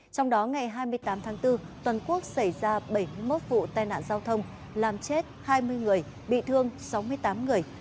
trong đó ngày hai mươi tám tháng bốn toàn quốc xảy ra bảy mươi một vụ tai nạn giao thông làm chết hai mươi người bị thương sáu mươi tám người